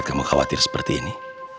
kamu khawatir seperti ini